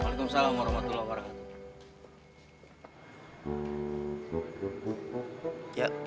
waalaikumsalam warahmatullahi wabarakatuh